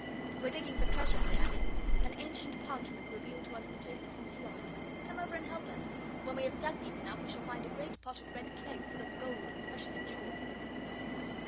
'We're digging for treasure,' said Alice; 'an ancient parchment revealed to us the place of concealment. Come over and help us. When we have dug deep enough we shall find a great pot of red clay, full of gold and precious jewels.